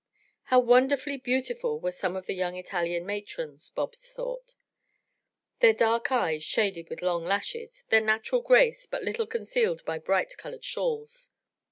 How wonderfully beautiful were some of the young Italian matrons, Bobs thought; their dark eyes shaded with long lashes, their natural grace but little concealed by bright colored shawls.